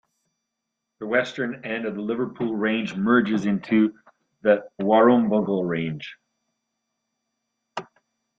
The western end of the Liverpool Range merges into the Warrumbungle Range.